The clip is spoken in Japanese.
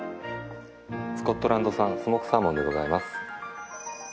スコットランド産スモークサーモンでございます。